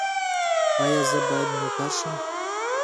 ایا زه باید نوکر شم؟